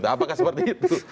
apakah seperti itu